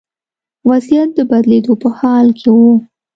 وضعیت د بدلېدو په حال کې و.